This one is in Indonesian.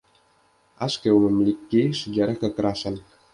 Askew memiliki sejarah kekerasan.